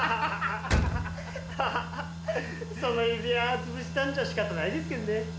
その指輪を潰したんじゃ仕方ないですけどね。